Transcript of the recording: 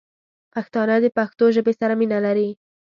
پښتانه دپښتو ژبې سره مینه نه لري